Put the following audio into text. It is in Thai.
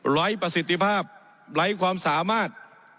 ประสิทธิภาพไร้ความสามารถ